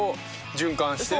循環してね。